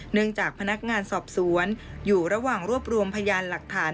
จากพนักงานสอบสวนอยู่ระหว่างรวบรวมพยานหลักฐาน